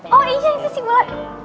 oh iya itu sih pula